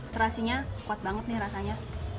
terasinya kuat banget nih rasanya